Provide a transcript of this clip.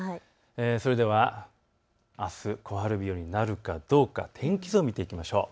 それではあす小春日和になるかどうか天気図を見ていきましょう。